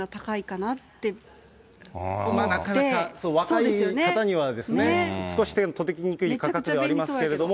なかなか若い方には、少し手が届きにくい価格ではありますけれども。